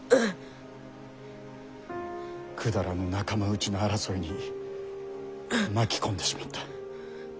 くだらぬ仲間内の争いに巻き込んでしまった。